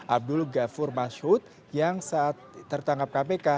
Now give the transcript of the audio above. abdul ghafur masyud yang saat tertangkap kpk